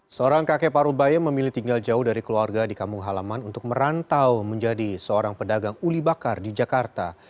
seorang kakek paru bayam memilih tinggal jauh dari keluarga di kampung halaman untuk merantau menjadi seorang pedagang uli bakar di jakarta